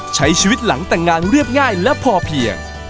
ใช้ชีวิตหลังแต่งงานเรียบง่ายและพอเพียง